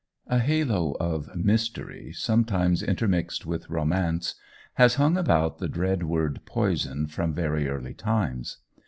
A halo of mystery, sometimes intermixed with romance, has hung about the dread word poison from very early times.